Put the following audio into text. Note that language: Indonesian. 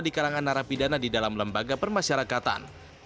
di kalangan narapidana di dalam lembaga permasyarakatan